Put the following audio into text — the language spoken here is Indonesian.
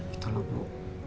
itu loh bu